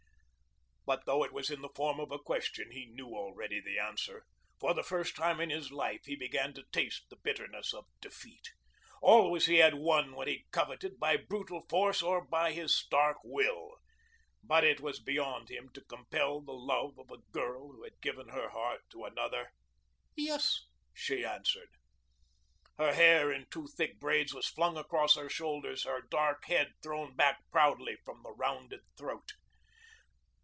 But though it was in form a question he knew already the answer. For the first time in his life he began to taste the bitterness of defeat. Always he had won what he coveted by brutal force or his stark will. But it was beyond him to compel the love of a girl who had given her heart to another. "Yes," she answered. Her hair in two thick braids was flung across her shoulders, her dark head thrown back proudly from the rounded throat.